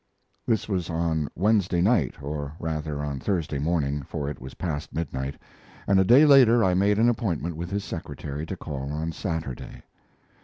This was on Wednesday night, or rather on Thursday morning, for it was past midnight, and a day later I made an appointment with his secretary to call on Saturday.